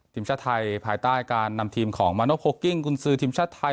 ทีมชาติไทยภายใต้การนำทีมของมาโนโพกิ้งกุญซือทีมชาติไทย